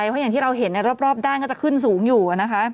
เพราะอย่างที่เราเห็นในรอบด้านก็จะขึ้นสูงอยู่นะคะ